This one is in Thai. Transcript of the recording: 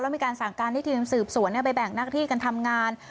แล้วมีการสั่งการที่ทีมสืบสวนไปแบ่งนักที่กันทำงาน